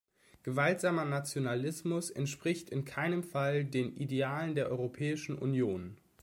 Gewaltsamer Nationalismus entspricht in keinem Fall den Idealen der Europäischen Union.